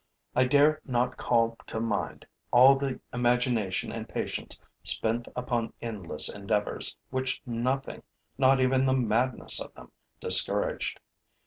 I dare not call to mind all the imagination and patience spent upon endless endeavors which nothing, not even the madness of them, discouraged.